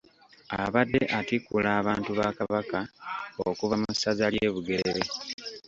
Abadde atikkula abantu ba Kabaka okuva mu ssaza ly'e Bugerere.